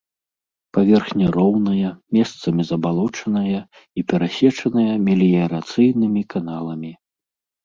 Паверхня роўная, месцамі забалочаная і перасечаная меліярацыйнымі каналамі.